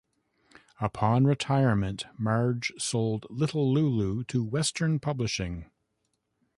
Upon retirement, Marge sold "Little Lulu" to Western Publishing.